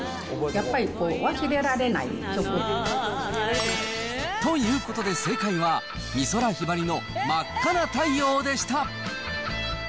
やっぱりこう、忘れられない曲。ということで、正解は美空ひばりの真赤な太陽でした。